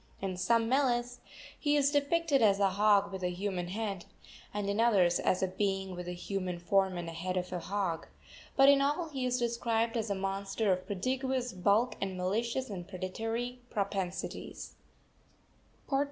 In some meles he is depicted as a hog with a human head, and in others as a being with a human form and head of a hog; but in all he is described as a monster of prodigious bulk and malicious and predatory propensities.